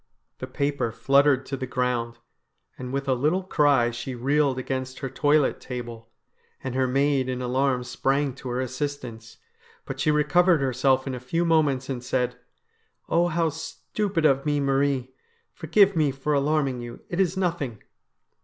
The paper fluttered to the ground, and with a little cry she reeled against her toilet table, and her maid in alarm sprang to her assistance. But she recovered herself in a few moments, and said :' Oh, how stupid of me, Marie! Forgive me for alarming you. It is nothing